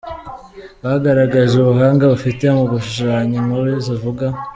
Bagaragaje ubuhanga bafite mu gushushanya inkuru zivuga.